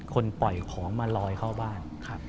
คนปล่อยของมาลอยเข้าบ้าน